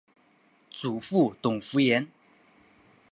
祖父董孚言。